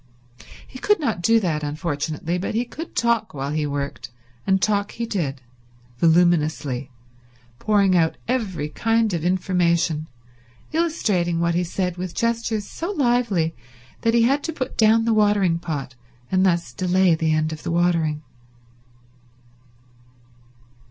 He could not do that, unfortunately, but he could talk while he worked, and talk he did; voluminously; pouring out every kind of information, illustrating what he said with gestures so lively that he had to put down the watering pot, and thus delay the end of the watering.